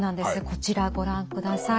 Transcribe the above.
こちらご覧ください。